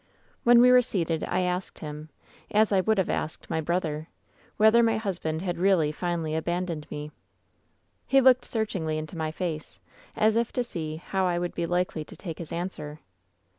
"When we were seated I asked him — as I would have 18a WHEN SHADOWS DIE asked my brother — whether my husband had really, finally abandoned me. "He looked searchingly into my face, as if to see how I would be likely to take his answer.